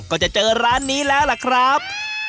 ก็จะเจอร้านนี้แล้วล่ะครับ